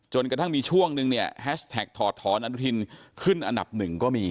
กระทั่งมีช่วงนึงเนี่ยแฮชแท็กถอดถอนอนุทินขึ้นอันดับหนึ่งก็มี